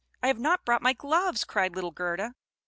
I have not brought my gloves!" cried little Gerda.